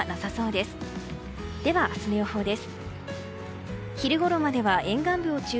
では、明日の予報です。